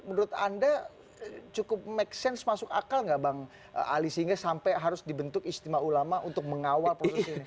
menurut anda cukup make sense masuk akal nggak bang ali sehingga sampai harus dibentuk istimewa ulama untuk mengawal proses ini